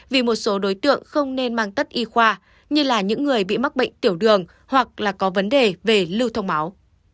vì một số đối tượng không nên mang tất y khoa như là những người bị mắc bệnh tiểu đường hoặc là có vấn đề về lưu thông máu